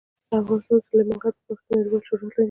افغانستان د سلیمان غر په برخه کې نړیوال شهرت لري.